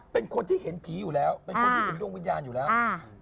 เป็นคนที่เห็นผีอยู่แล้วเป็นคนที่เห็นดวงวิญญาณอยู่แล้วอ่า